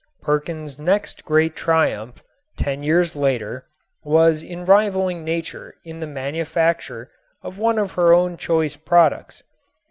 Perkin's next great triumph, ten years later, was in rivaling Nature in the manufacture of one of her own choice products.